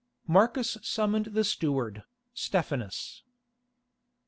Marcus summoned the steward, Stephanus.